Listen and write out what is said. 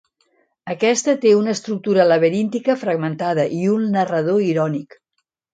Aquesta té una estructura laberíntica fragmentada i un narrador irònic.